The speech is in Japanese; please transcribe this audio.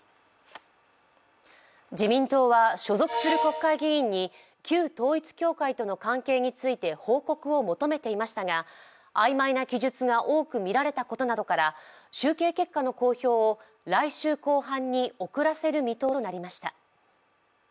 自民党は所属する国会議員に旧統一教会との関係について報告を求めていましたが曖昧な記述が多く見られたことなどから集計結果の公表を来週後半に遅らせる見通しとなりました。